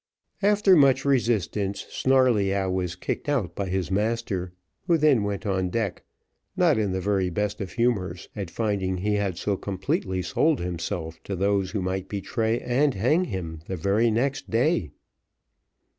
After much resistance, Snarleyyow was kicked out by his master, who then went on deck not in the very best of humours, at finding he had so completely sold himself to those who might betray and hang him the very next day.